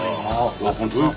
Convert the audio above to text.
あ本当だ。